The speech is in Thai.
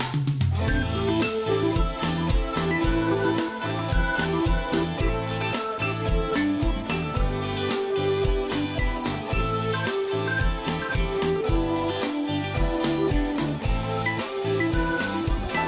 โปรดติดตามตอนต่อไป